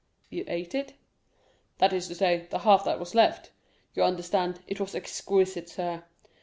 "You ate it?" "That is to say, the half that was left—you understand; it was exquisite, sir.